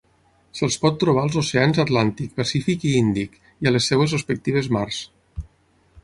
Se'ls pot trobar als oceans Atlàntic, Pacífic i Índic, i a les seues respectives mars.